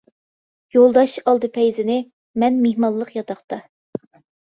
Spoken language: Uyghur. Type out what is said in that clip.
يولداش ئالدى پەيزىنى، مەن مېھمانلىق ياتاقتا.